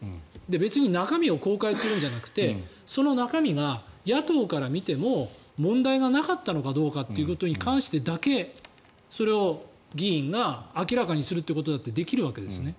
別に中身を公開するんじゃなくてその中身が野党から見ても問題がなかったのかどうかということに関してだけそれを議員が明らかにすることだってできるわけですね。